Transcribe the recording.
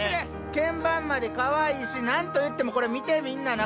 けん盤までかわいいし何と言ってもこれ見てみんな中。